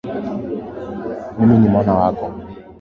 Mimi ni mwana wako.